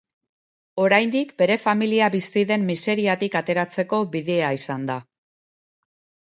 Oraindik bere familia bizi den miseriatik ateratzeko bidea izan da.